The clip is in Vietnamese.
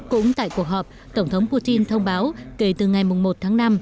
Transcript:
cũng tại cuộc họp tổng thống putin thông báo kể từ ngày một tháng năm